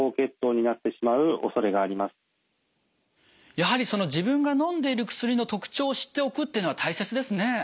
やはり自分がのんでいる薬の特徴を知っておくっていうのは大切ですね。